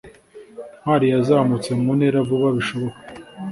ntwali yazamutse mu ntera vuba bishoboka